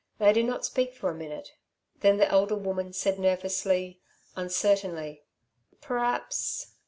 They did not speak for a minute. Then the elder woman said nervously, uncertainly: "P'raps